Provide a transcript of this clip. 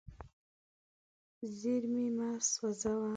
زیرمې مه سوځوه.